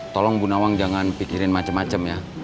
tolong bu nawang jangan pikirin macem macem ya